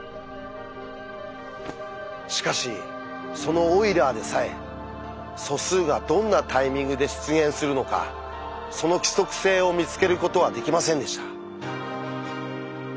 しかしそのオイラーでさえ素数がどんなタイミングで出現するのかその規則性を見つけることはできませんでした。